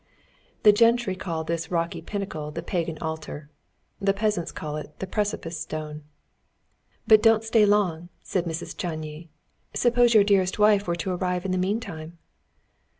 The gentry call this rocky pinnacle the Pagan Altar; the peasants call it the Precipice Stone. "But don't stay long," said Mrs. Csányi; "suppose your dearest were to arrive in the meantime?"